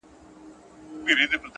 درته یادیږي بېله جنګه د خپل ښار خبري؟.!